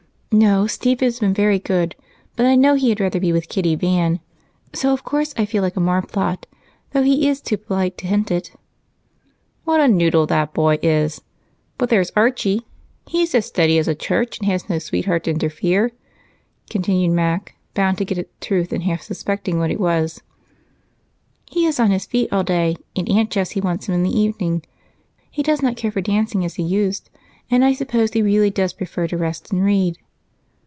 "No, Steve has been very good, but I know he had rather be with Kitty Van, so of course I feel like a marplot, though he is too polite to hint it." "What a noodle that boy is! But there's Archie he's steady as a church and has no sweetheart to interfere," continued Mac, bound to get at the truth and half suspecting what it was. "He is on his feet all day, and Aunt Jessie wants him in the evening. He does not care for dancing as he used, and I suppose he really does prefer to rest and read."